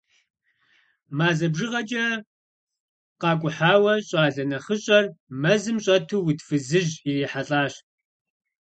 Мазэ бжыгъэкӀэ къакӀухьауэ, щӀалэ нэхъыщӀэр мэзым щӀэту уд фызыжь ирихьэлӀащ.